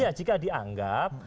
ya jika dianggap